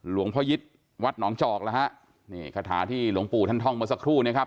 หลวงพ่อยิทธ์วัดหนองจอกแล้วฮะนี่คาถาที่หลวงปู่ท่านท่องมาสักครู่เนี้ยครับ